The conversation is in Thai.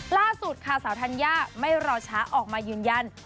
ล่าสุดค่ะสาวธัญญาไม่รอช้าออกมายืนยัน